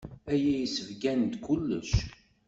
Aya yessebgan-d kullec.